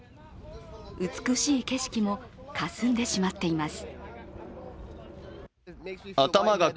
美しい景色もかすんでしまっています。